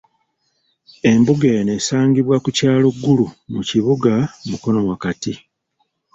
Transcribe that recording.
Embuga eno esangibwa ku kyalo Ggulu mu kibuga Mukono wakati.